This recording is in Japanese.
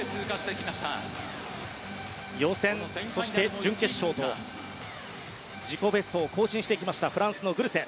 予選、そして準決勝と自己ベストを更新してきましたフランスのグルセ。